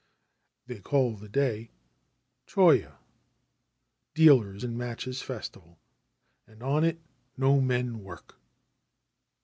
They call the day " Joya " (Dealer in Matches Festival), and on it no men work.'